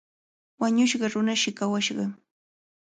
Wañushqa runashi kawashqa.